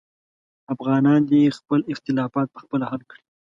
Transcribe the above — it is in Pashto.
افغانان دې خپل اختلافات پخپله حل کړي.